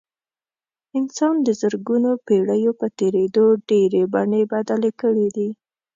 انسان د زرګونو پېړیو په تېرېدو ډېرې بڼې بدلې کړې دي.